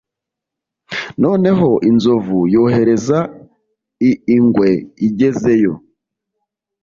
Noneho inzovu yohereza i ingwe igezeyo